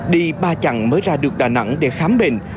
đi ba chặng mới ra được đà nẵng để khám bệnh